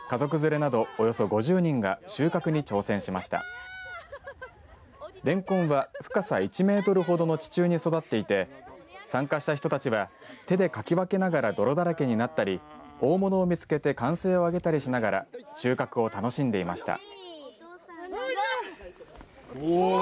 れんこんは深さ１メートルほどの地中に育っていて参加した人たちは手でかき分けながら泥だらけになったり大物を見つけて歓声を上げたりしながら収穫を楽しんでいました。